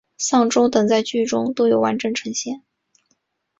丧钟等在剧中都完整呈现。